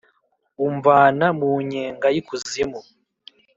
umvana mu nyenga y’ikuzimu,